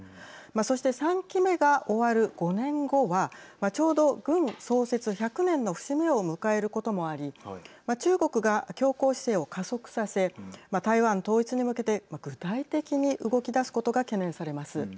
そして、３期目が終わる５年後はちょうど軍、創設１００年の節目を迎えることもあり中国が強硬姿勢を加速させ台湾統一に向けて具体的に動き出すことが懸念されます。